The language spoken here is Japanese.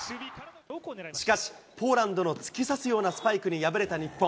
しかし、ポーランドの突き刺すようなスパイクに敗れた日本。